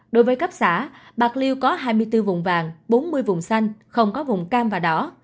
đối với cấp xã bạc liêu có hai mươi bốn vùng vàng bốn mươi vùng xanh không có vùng cam và đỏ